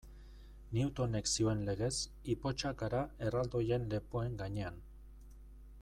Newtonek zioen legez, ipotxak gara erraldoien lepoen gainean.